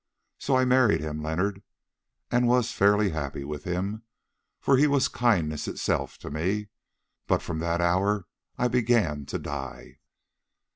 So I married him, Leonard, and was fairly happy with him, for he was kindness itself to me, but from that hour I began to die.